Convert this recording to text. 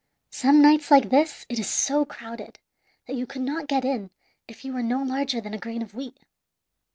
Some nights like this it is so crowded that you could not get in if you were no larger than a grain of wheat.